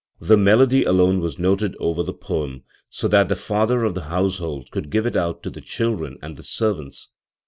The melody alone was noted over the poem, so that the father of the household could give it out to the children and the servants.